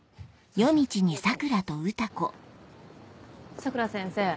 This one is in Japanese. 佐倉先生